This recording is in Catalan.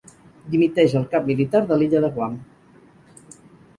Dimiteix el cap militar de l'illa de Guam.